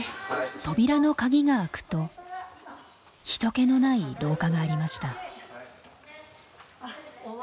扉の鍵があくと人けのない廊下がありました。